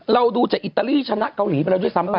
เราดูจากอิตาลีชนะเกาหลีไปแล้วด้วยซ้ำไป